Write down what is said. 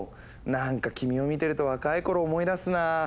なんか君を見てると若い頃を思い出すなあ。